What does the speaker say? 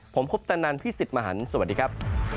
ผมคุปตะนันพี่สิทธิ์มหันฯสวัสดีครับ